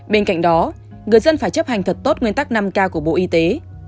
bên cạnh đó người dân phải chấp hành thật tốt nguyên tắc năm k của bộ y tế